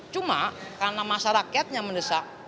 cuma karena masyarakatnya mendesak